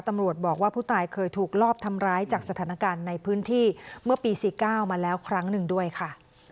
ตำรวจบอกว่าผู้ตายเคยถูกลอบทำร้ายจากสถานการณ์ในพื้นที่เมื่อปี๔๙มาแล้วครั้งหนึ่งด้วยค่ะ